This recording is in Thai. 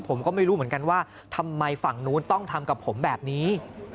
ผมก็ไม่รู้เหมือนกันว่าทำไมฝั่งนู้นต้องทำกับผมแบบนี้